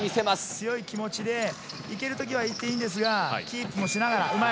強い気持ちで、いけるときはいっていいんですが、キープもしながら、うまい。